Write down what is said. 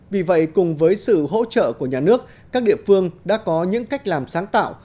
vì vậy cùng với sự hỗ trợ của nhà nước các địa phương đã có những cách làm sáng tạo